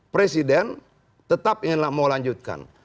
presiden tetap inginlah melanjutkan